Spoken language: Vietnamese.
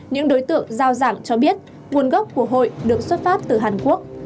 những đối tượng giao giảng cho biết nguồn gốc của hội được xuất phát từ hàn quốc